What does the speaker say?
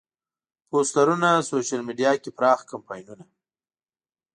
پوسترونه، سوشیل میډیا کې پراخ کمپاینونه.